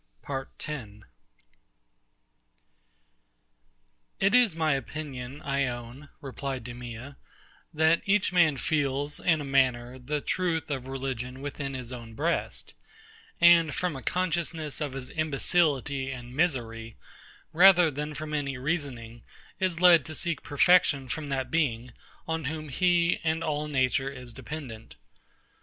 PART 10 It is my opinion, I own, replied DEMEA, that each man feels, in a manner, the truth of religion within his own breast, and, from a consciousness of his imbecility and misery, rather than from any reasoning, is led to seek protection from that Being, on whom he and all nature is dependent.